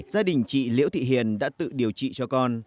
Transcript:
gia đình chị liễu thị hiền đã tự điều trị cho con